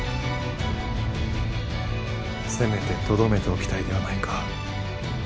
せめてとどめておきたいではないか。